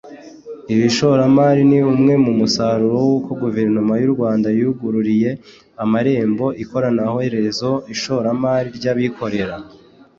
Iri shoramari ni umwe mu musaruro w’uko Guverinoma y’u Rwanda yugururiye amarembo ikanorohereza ishoramari ry’abikorera